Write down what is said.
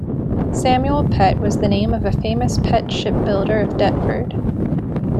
Samuel Pett was the name of a famous Pett shipbuilder of Deptford.